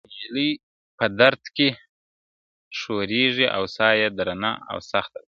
نجلۍ په درد کي ښورېږي او ساه يې درنه او سخته ده،